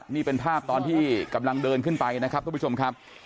นี่เป็นภาพตอนที่กำลังเดินขึ้นไปนะครับทุกผู้ชมครับ